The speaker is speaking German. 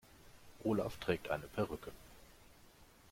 Olaf trägt eine Perücke.